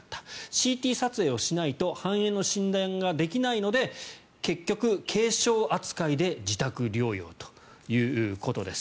ＣＴ撮影をしないと肺炎の診断ができないため結局、軽症扱いで自宅療養ということです。